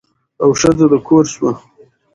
او ښځه د کور شوه.